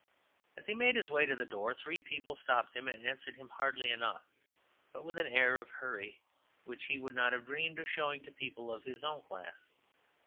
As he made his way to the door three people stopped him, and he answered them heartily enough, but with an air of hurry which he would not have dreamed of showing to people of his own class.